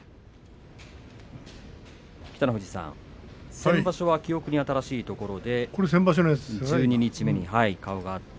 北の富士さん先場所は記憶に新しいところで十二日目に顔が合って。